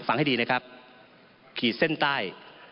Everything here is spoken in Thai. ให้ดีนะครับขีดเส้นใต้